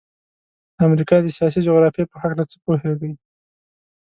د امریکا د سیاسي جغرافیې په هلکه څه پوهیږئ؟